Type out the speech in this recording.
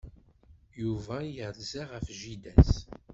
Yuba yerza ɣef jida-s.